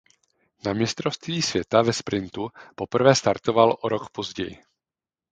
Na Mistrovství světa ve sprintu poprvé startoval o rok později.